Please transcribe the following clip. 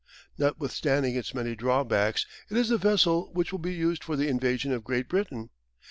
Notwithstanding its many drawbacks it is the vessel which will be used for the invasion of Great Britain.